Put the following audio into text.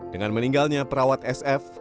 dengan meninggalnya perawat sf